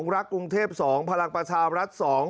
รักกรุงเทพ๒พลังประชารัฐ๒